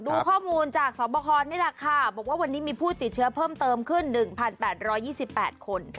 ดูข้อมูลจากสอบคอนี่แหละค่ะบอกว่าวันนี้มีผู้ติดเชื้อเพิ่มเติมขึ้น๑๘๒๘คน